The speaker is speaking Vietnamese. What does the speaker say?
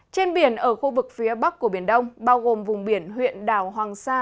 trên biển ở khu vực phía bắc của biển đông bao gồm vùng biển huyện đảo hoàng sa